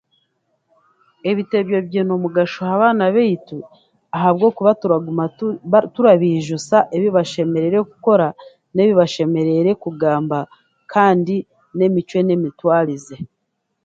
Ebitebyo biine omugasho ha baana baitu ahabwokuba turaguma turabaijusa ebi bashemereire kukora n'ebi bashemereire kugamba kandi n'eby'emicwe n'emitwarize.